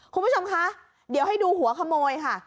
คุณผู้ชมคะเดี๋ยวให้ดูหัวขโมยค่ะ